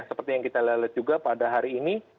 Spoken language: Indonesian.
seperti yang kita lihat juga pada hari ini